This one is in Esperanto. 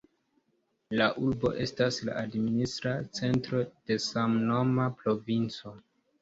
La urbo estas la administra centro de samnoma provinco.